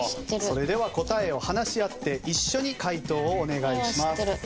それでは答えを話し合って一緒に解答をお願いします。